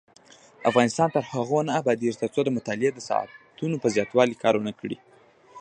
افغانستان تر هغو نه ابادیږي، ترڅو د مطالعې د ساعتونو په زیاتوالي کار ونکړو.